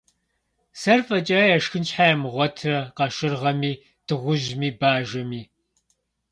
Сэр фӀэкӀа яшхын щхьэ ямыгъуэтрэ къашыргъэми, дыгъужьми, бажэми?